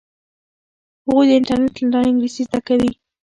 هغوی د انټرنیټ له لارې انګلیسي زده کوي.